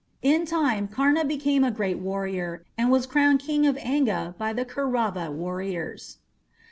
In time Karna became a great warrior, and was crowned King of Anga by the Kaurava warriors.